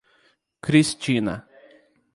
Cristina